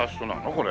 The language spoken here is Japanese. これ。